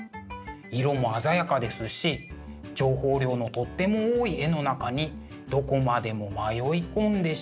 色も鮮やかですし情報量のとっても多い絵の中にどこまでも迷い込んでしまいそうな。